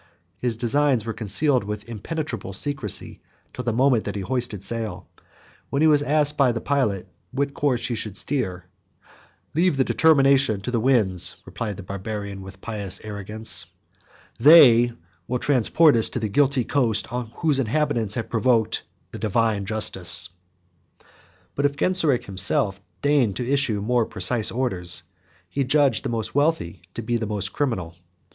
His designs were concealed with impenetrable secrecy, till the moment that he hoisted sail. When he was asked, by his pilot, what course he should steer, "Leave the determination to the winds, (replied the Barbarian, with pious arrogance;) they will transport us to the guilty coast, whose inhabitants have provoked the divine justice;" but if Genseric himself deigned to issue more precise orders, he judged the most wealthy to be the most criminal.